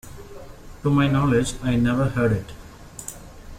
To my knowledge I never heard it.